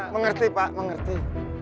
mengerti pak mengerti